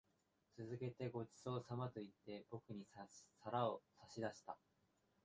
続けて、ご馳走様と言って、僕に皿を差し出した。